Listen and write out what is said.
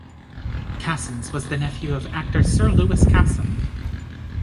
Casson's was the nephew of actor, Sir Lewis Casson.